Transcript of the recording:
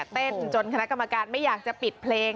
จนคณะกรรมการไม่อยากจะปิดเพลง